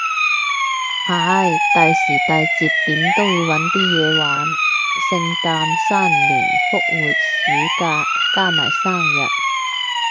係，大時大節點都會搵啲嘢玩，聖誕新年復活暑假，加埋生日